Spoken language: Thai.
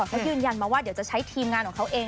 เขายืนยันมาว่าเดี๋ยวจะใช้ทีมงานของเขาเอง